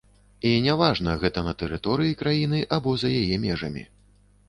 І не важна, гэта на тэрыторыі краіны або за яе межамі.